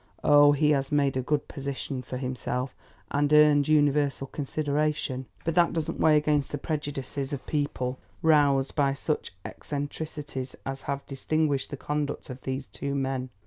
"Oh, he has made a good position for himself, and earned universal consideration. But that doesn't weigh against the prejudices of people, roused by such eccentricities as have distinguished the conduct of these two men."